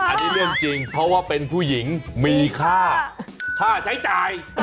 อันนี้เรื่องจริงเพราะว่าเป็นผู้หญิงมีค่าค่าใช้จ่าย